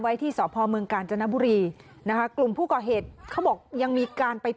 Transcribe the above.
ที่สพเมืองกาญจนบุรีนะคะกลุ่มผู้ก่อเหตุเขาบอกยังมีการไป